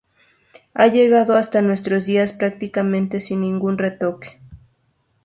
Ha llegado hasta nuestros días prácticamente sin ningún retoque.